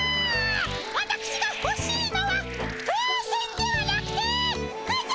わたくしがほしいのは風船ではなくてくつ！